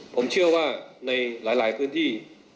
ผมเชื่อว่าในหลายพื้นที่